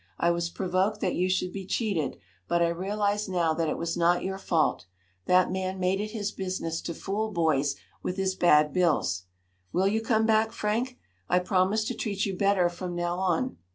"I was provoked that you should be cheated, but I realize now that it was not your fault. That man made it his business to fool boys with his bad bills. Will you come back, Frank? I promise to treat you better from now on."